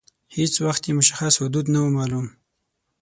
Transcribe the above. هیڅ وخت یې مشخص حدود نه وه معلوم.